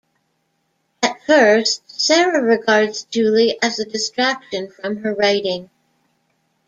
At first, Sarah regards Julie as a distraction from her writing.